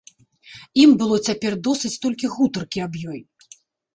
Ім было цяпер досыць толькі гутаркі аб ёй.